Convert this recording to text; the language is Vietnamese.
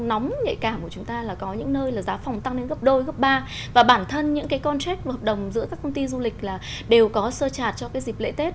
nóng nhạy cảm của chúng ta là có những nơi là giá phòng tăng lên gấp đôi gấp ba và bản thân những cái con trait hợp đồng giữa các công ty du lịch là đều có sơ chạt cho cái dịp lễ tết